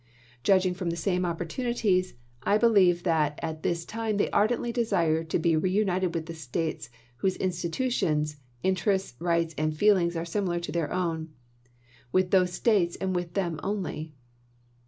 Judging from the same opportunities, I believe that at this time they ardently desire to be re united with the States whose institutions, inter ests, rights, and feelings are similar to their own —>°'°. Robertson with those States and with them only.